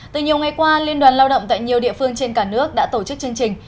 từ nhiều ngày qua liên đoàn lao động tại nhiều địa phương trên cả nước đã tổ chức chương trình